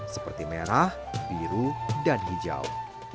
seperti merah biru dan hijau